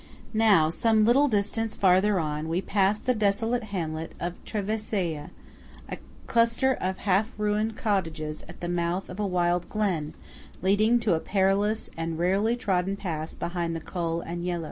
Now, some little distance farther on, we pass the desolate hamlet of Tavesiaji, a cluster of half ruined cottages at the mouth of a wild glen leading to a perilous and rarely trodden pass behind the Col Agnello.